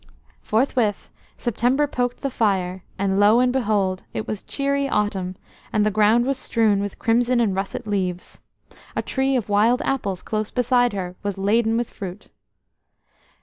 Forthwith September poked the fire, and, lo and behold! it was cheery autumn, and the ground was strewn with crimson and russet leaves. A tree of wild apples close beside her was laden with fruit.